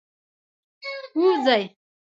ووځی.